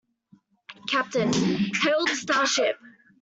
Captain, hail the star ship.